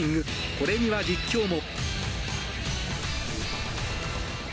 これには実況も。